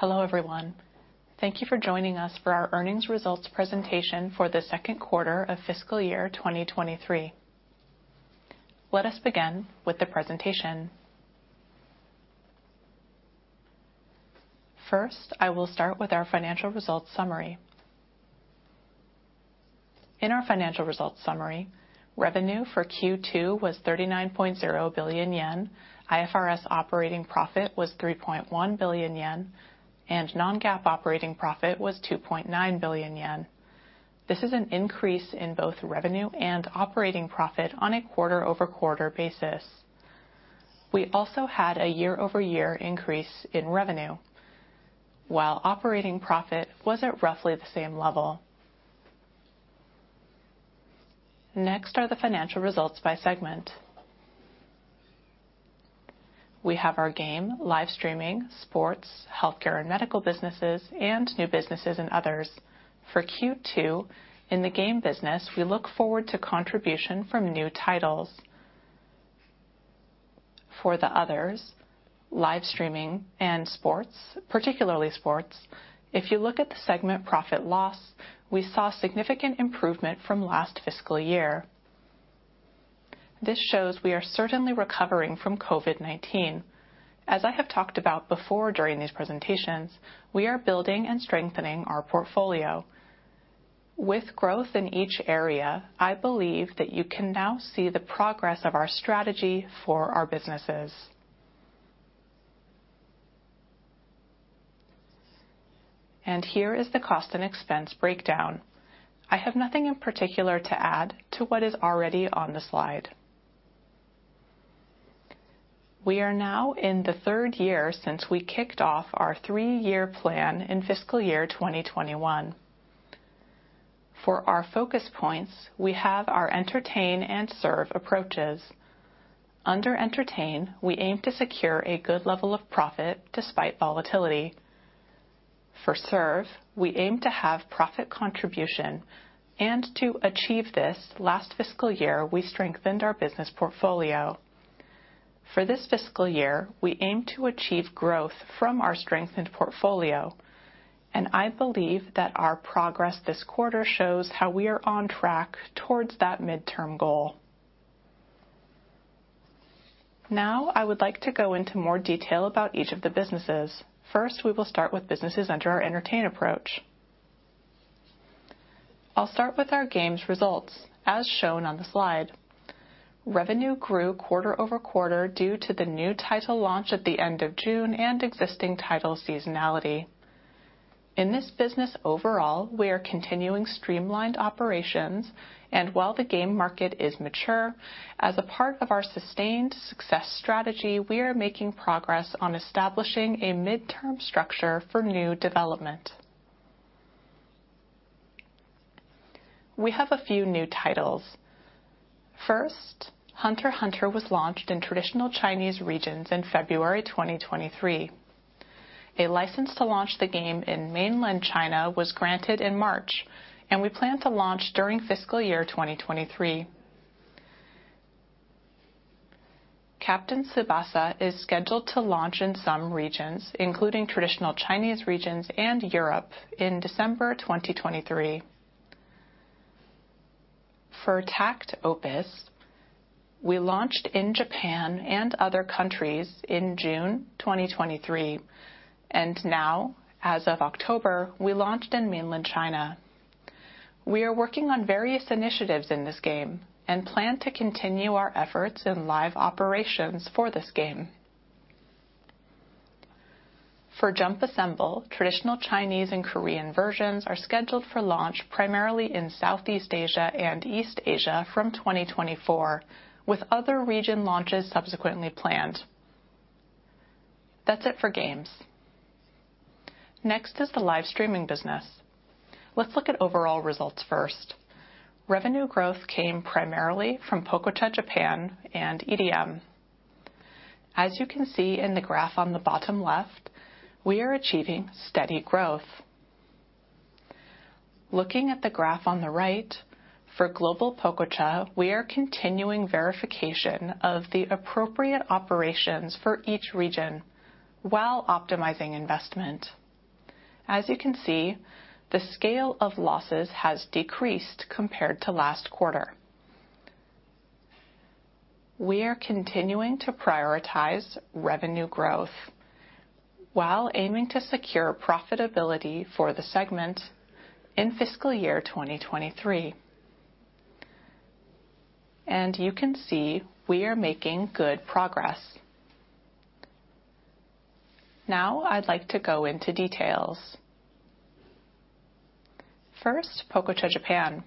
Hello, everyone. Thank you for joining us for our earnings results presentation for the second quarter of fiscal year 2023. Let us begin with the presentation. First, I will start with our financial results summary. In our financial results summary, revenue for Q2 was 39.0 billion yen, IFRS operating profit was 3.1 billion yen, and non-GAAP operating profit was 2.9 billion yen. This is an increase in both revenue and operating profit on a quarter-over-quarter basis. We also had a year-over-year increase in revenue, while operating profit was at roughly the same level. Next are the financial results by segment. We have our game, live streaming, sports, healthcare and medical businesses, and new businesses and others. For Q2, in the game business, we look forward to contribution from new titles. For the others, live streaming and sports, particularly sports, if you look at the segment profit loss, we saw significant improvement from last fiscal year. This shows we are certainly recovering from COVID-19. As I have talked about before during these presentations, we are building and strengthening our portfolio. With growth in each area, I believe that you can now see the progress of our strategy for our businesses. Here is the cost and expense breakdown. I have nothing in particular to add to what is already on the slide. We are now in the third year since we kicked off our three-year plan in fiscal year 2021. For our focus points, we have our Entertain and Serve approaches. Under Entertain, we aim to secure a good level of profit despite volatility. For Serve, we aim to have profit contribution, and to achieve this, last fiscal year, we strengthened our business portfolio. For this fiscal year, we aim to achieve growth from our strengthened portfolio, and I believe that our progress this quarter shows how we are on track towards that midterm goal. Now, I would like to go into more detail about each of the businesses. First, we will start with businesses under our Entertain approach. I'll start with our games results, as shown on the slide. Revenue grew quarter-over-quarter due to the new title launch at the end of June and existing title seasonality. In this business overall, we are continuing streamlined operations, and while the game market is mature, as a part of our sustained success strategy, we are making progress on establishing a midterm structure for new development. We have a few new titles. First, HUNTER×HUNTER was launched in traditional Chinese regions in February 2023. A license to launch the game in Mainland China was granted in March, and we plan to launch during fiscal year 2023. Captain Tsubasa is scheduled to launch in some regions, including Traditional Chinese regions and Europe, in December 2023. For takt op. Destiny, we launched in Japan and other countries in June 2023, and now, as of October, we launched in Mainland China. We are working on various initiatives in this game and plan to continue our efforts in live operations for this game. For JUMP: Assemble, traditional Chinese and Korean versions are scheduled for launch primarily in Southeast Asia and East Asia from 2024, with other region launches subsequently planned. That's it for games. Next is the live streaming business. Let's look at overall results first. Revenue growth came primarily from Pococha Japan and IRIAM. As you can see in the graph on the bottom left, we are achieving steady growth. Looking at the graph on the right, for Global Pococha, we are continuing verification of the appropriate operations for each region while optimizing investment. As you can see, the scale of losses has decreased compared to last quarter. We are continuing to prioritize revenue growth while aiming to secure profitability for the segment in fiscal year 2023. You can see we are making good progress. Now, I'd like to go into details. First, Pococha Japan.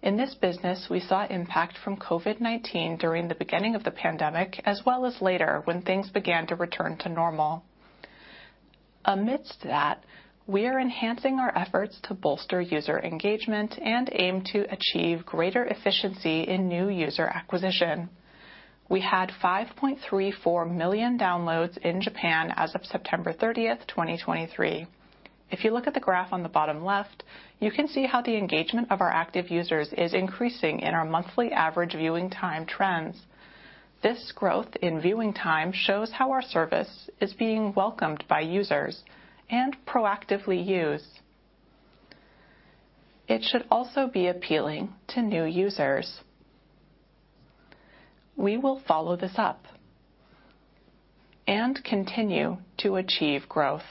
In this business, we saw impact from COVID-19 during the beginning of the pandemic, as well as later when things began to return to normal. Amidst that, we are enhancing our efforts to bolster user engagement and aim to achieve greater efficiency in new user acquisition. We had 5.34 million downloads in Japan as of September 30th, 2023. If you look at the graph on the bottom left, you can see how the engagement of our active users is increasing in our monthly average viewing time trends. This growth in viewing time shows how our service is being welcomed by users and proactively used. It should also be appealing to new users. We will follow this up and continue to achieve growth.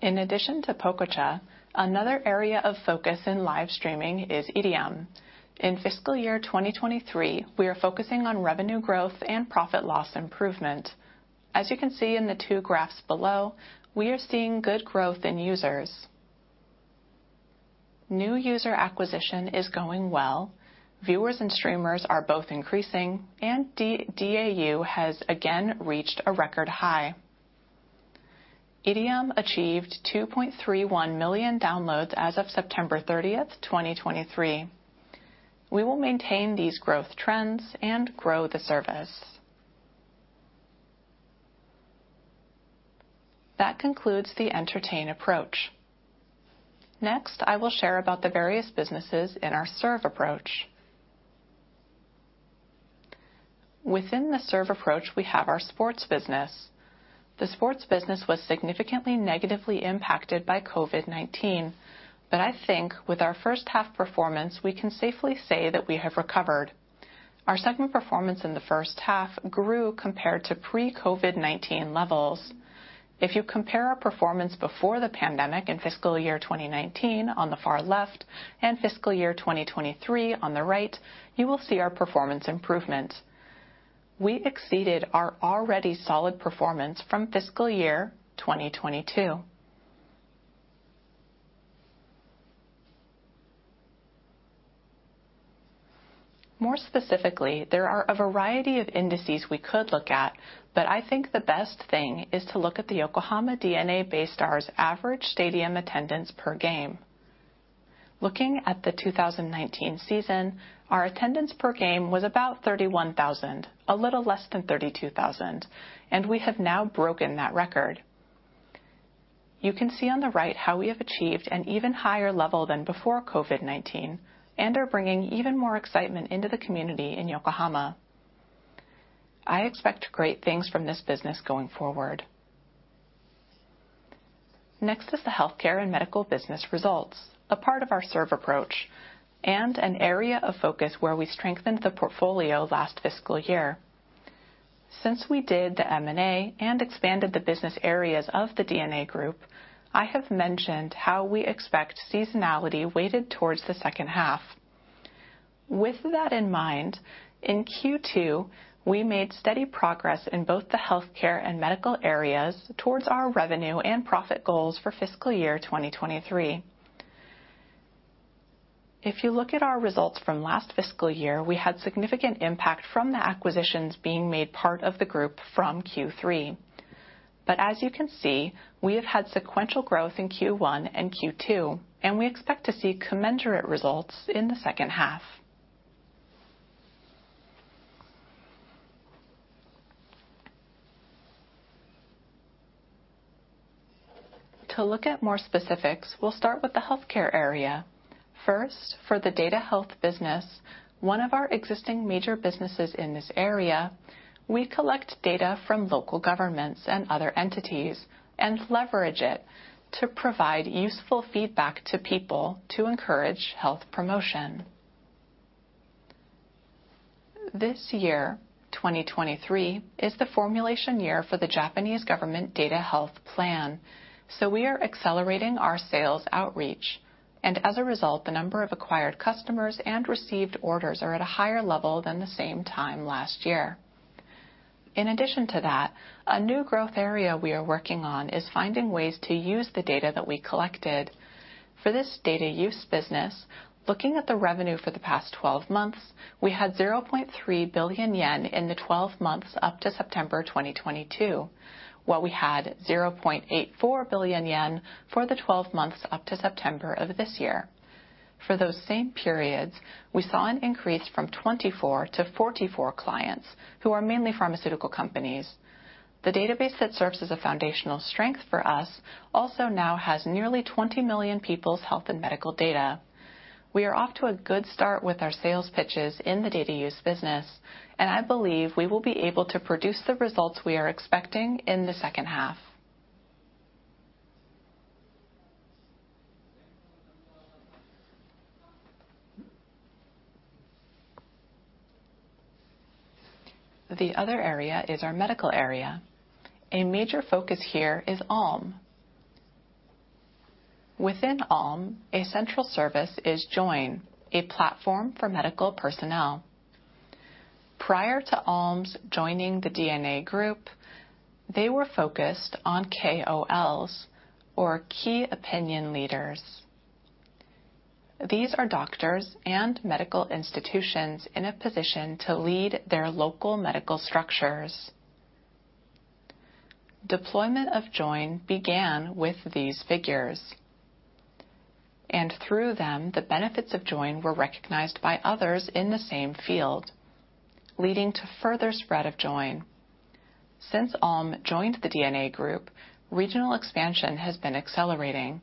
In addition to Pococha, another area of focus in live streaming is IRIAM. In fiscal year 2023, we are focusing on revenue growth and profit loss improvement. As you can see in the two graphs below, we are seeing good growth in users. New user acquisition is going well, viewers and streamers are both increasing, and DAU has again reached a record high. IRIAM achieved 2.31 million downloads as of September 30th, 2023. We will maintain these growth trends and grow the service. That concludes the Entertainment approach. Next, I will share about the various businesses in our service approach. Within the service approach, we have our sports business. The sports business was significantly negatively impacted by COVID-19, but I think with our first half performance, we can safely say that we have recovered. Our segment performance in the first half grew compared to pre-COVID-19 levels. If you compare our performance before the pandemic in fiscal year 2019 on the far left, and fiscal year 2023 on the right, you will see our performance improvement. We exceeded our already solid performance from fiscal year 2022. More specifically, there are a variety of indices we could look at, but I think the best thing is to look at the Yokohama DeNA BayStars' average stadium attendance per game. Looking at the 2019 season, our attendance per game was about 31,000, a little less than 32,000, and we have now broken that record. You can see on the right how we have achieved an even higher level than before COVID-19 and are bringing even more excitement into the community in Yokohama. I expect great things from this business going forward. Next is the healthcare and medical business results, a part of our serve approach, and an area of focus where we strengthened the portfolio last fiscal year. Since we did the M&A and expanded the business areas of the DeNA Group, I have mentioned how we expect seasonality weighted towards the second half. With that in mind, in Q2, we made steady progress in both the healthcare and medical areas towards our revenue and profit goals for fiscal year 2023. If you look at our results from last fiscal year, we had significant impact from the acquisitions being made part of the group from Q3. But as you can see, we have had sequential growth in Q1 and Q2, and we expect to see commensurate results in the second half. To look at more specifics, we'll start with the healthcare area. First, for the data health business, one of our existing major businesses in this area, we collect data from local governments and other entities and leverage it to provide useful feedback to people to encourage health promotion. This year, 2023, is the formulation year for the Japanese Government Data Health Plan, so we are accelerating our sales outreach, and as a result, the number of acquired customers and received orders are at a higher level than the same time last year. In addition to that, a new growth area we are working on is finding ways to use the data that we collected. For this data use business, looking at the revenue for the past 12 months, we had 0.3 billion yen in the 12 months up to September 2022, while we had 0.84 billion yen for the 12 months up to September of this year. For those same periods, we saw an increase from 24 to 44 clients, who are mainly pharmaceutical companies. The database that serves as a foundational strength for us also now has nearly 20 million people's health and medical data. We are off to a good start with our sales pitches in the data use business, and I believe we will be able to produce the results we are expecting in the second half. The other area is our medical area. A major focus here is Allm. Within Allm, a central service is Join, a platform for medical personnel. Prior to Allm's joining the DeNA group, they were focused on KOLs, or Key Opinion Leaders. These are doctors and medical institutions in a position to lead their local medical structures. Deployment of Join began with these figures, and through them, the benefits of Join were recognized by others in the same field, leading to further spread of Join. Since Allm joined the DeNA group, regional expansion has been accelerating.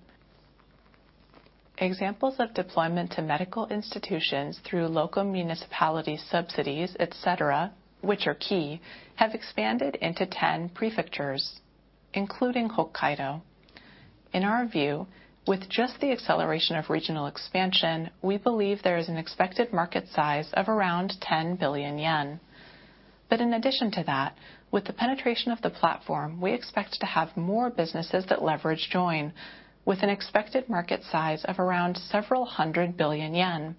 Examples of deployment to medical institutions through local municipality subsidies, et cetera, which are key, have expanded into 10 prefectures, including Hokkaido. In our view, with just the acceleration of regional expansion, we believe there is an expected market size of around 10 billion yen. But in addition to that, with the penetration of the platform, we expect to have more businesses that leverage Join, with an expected market size of around JPY several hundred billion.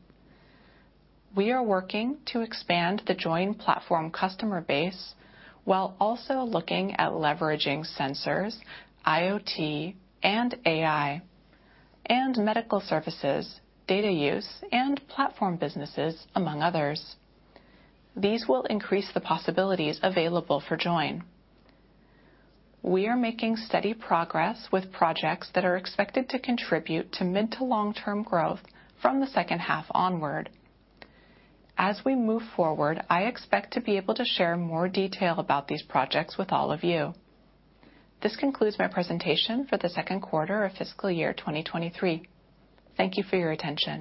We are working to expand the Join platform customer base while also looking at leveraging sensors, IoT, and AI, and medical services, data use, and platform businesses, among others. These will increase the possibilities available for Join. We are making steady progress with projects that are expected to contribute to mid to long-term growth from the second half onward. As we move forward, I expect to be able to share more detail about these projects with all of you. This concludes my presentation for the second quarter of fiscal year 2023. Thank you for your attention.